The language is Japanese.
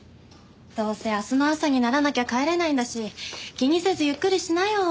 どうせ明日の朝にならなきゃ帰れないんだし気にせずゆっくりしなよ。